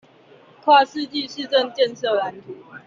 跨世紀市政建設藍圖